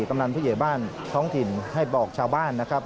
กำนันผู้ใหญ่บ้านท้องถิ่นให้บอกชาวบ้านนะครับ